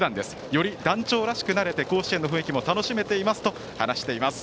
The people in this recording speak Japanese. より団長らしくなって甲子園の雰囲気も楽しめていますと話しています。